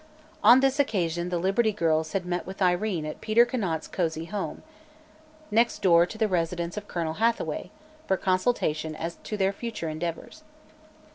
On this occasion the Liberty Girls had met with Irene at Peter Conant's cosy home, next door to the residence of Colonel Hathaway, for consultation as to their future endeavors.